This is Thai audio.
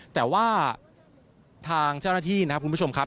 แต่ว่าทางเจ้าหน้าที่นะครับคุณผู้ชมครับ